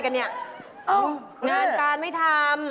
ขอร้องครับนานตาร์ไม่ทำ